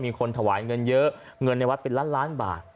มีคนถวายเงินเยอะเงินในวัดเป็นล้านล้านบาท